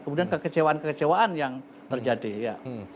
kemudian kekecewaan kekecewaan yang terjadi ya